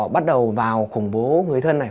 bắt đầu vào khủng bố người thân này